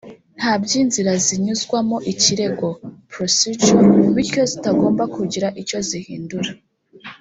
nta by’inzira zinyuzwamo ikirego [procedure] bityo zitagomba kugira icyo zihindura